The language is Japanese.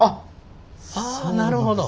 あなるほど。